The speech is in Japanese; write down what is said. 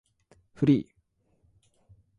フリー